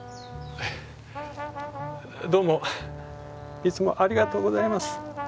どうもいつもありがとうございます。